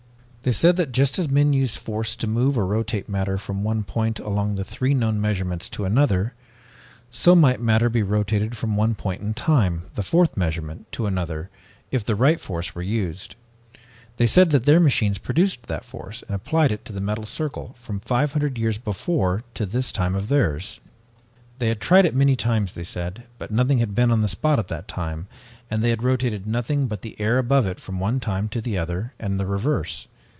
"They said that just as men use force to move or rotate matter from one point along the three known measurements to another, so might matter be rotated from one point in time, the fourth measurement, to another, if the right force were used. They said that their machines produced that force and applied it to the metal circle from five hundred years before to this time of theirs. "They had tried it many times, they said, but nothing had been on the spot at that time and they had rotated nothing but the air above it from the one time to the other, and the reverse.